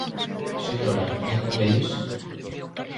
Señora, vén con eles?